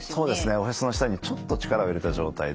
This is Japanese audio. おへその下にちょっと力を入れた状態で。